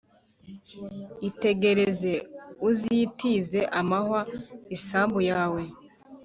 Itegereze, uzitize amahwa isambu yawe,